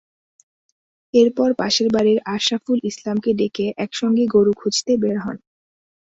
এরপর পাশের বাড়ির আশরাফুল ইসলামকে ডেকে একসঙ্গে গরু খুঁজতে বের হন।